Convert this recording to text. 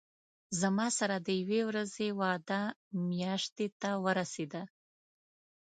زما سره د یوې ورځې وعده میاشتې ته ورسېده.